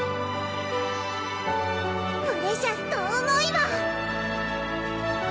プレシャスと思いは！